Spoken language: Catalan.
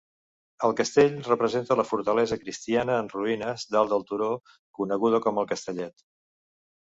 El castell representa la fortalesa cristiana en ruïnes dalt del turó, coneguda com el Castellet.